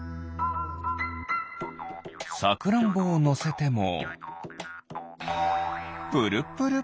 サクランボをのせてもプルプル。